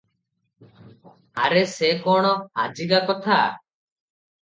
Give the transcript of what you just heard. ଆରେ ସେ କ’ଣ ଆଜିକା କଥା?